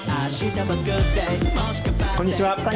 こんにちは。